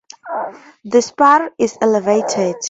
The spire is elevated.